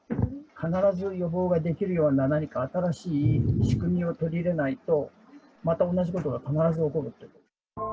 必ず予防ができるような、何か新しい仕組みを取り入れないと、また同じことが必ず起こると思う。